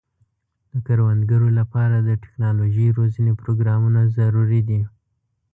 د کروندګرو لپاره د ټکنالوژۍ روزنې پروګرامونه ضروري دي.